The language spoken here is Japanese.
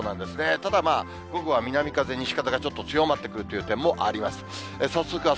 ただまあ、午後は南風、西風がちょっと強まってくるという点もあります。